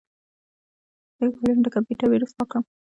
څنګه کولی شم د کمپیوټر ویروس پاک کړم